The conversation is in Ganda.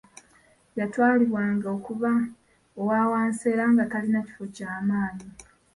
Yatwalibwanga okuba owa wansi era nga talina kifo ky'amaanyi